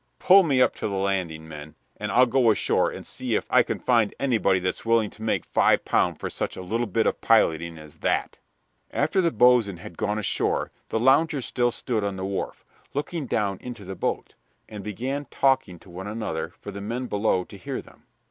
Pull me up to the landing, men, and I'll go ashore and see if I can find anybody that's willing to make five pound for such a little bit of piloting as that." After the boatswain had gone ashore the loungers still stood on the wharf, looking down into the boat, and began talking to one another for the men below to hear them.